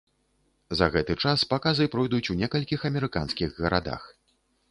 За гэты час паказы пройдуць у некалькіх амерыканскіх гарадах.